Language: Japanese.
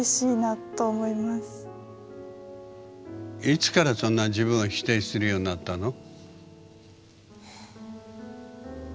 いつからそんな自分を否定するようになったの？